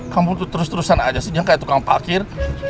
kamu tuh terus terusan aja senyang kayak tukang pakir